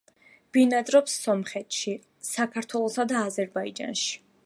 ბინადრობს სომხეთში, საქართველოსა და აზერბაიჯანში.